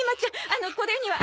あのこれには。